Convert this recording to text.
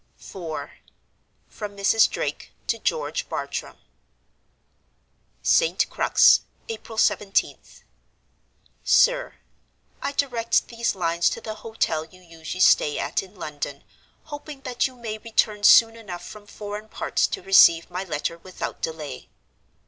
IV. From Mrs. Drake to George Bartram. "St. Crux, April 17th. "SIR, "I direct these lines to the hotel you usually stay at in London, hoping that you may return soon enough from foreign parts to receive my letter without delay.